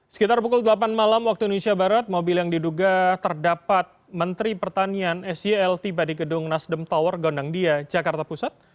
sekitar pukul delapan malam waktu indonesia barat mobil yang diduga terdapat menteri pertanian syl tiba di gedung nasdem tower gondang dia jakarta pusat